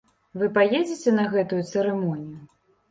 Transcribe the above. Вы паедзеце на гэтую цырымонію?